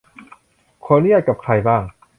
ขออนุญาตกับใครบ้าง